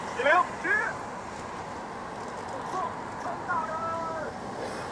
神田是日本东京都千代田区东北部的一个地名。